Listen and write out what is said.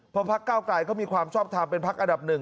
พอพลักษณ์ก้าวกลายก็มีความชอบทำเป็นพลักษณ์อัดับหนึ่ง